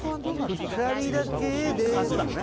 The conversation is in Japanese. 「二人だけで」ですよね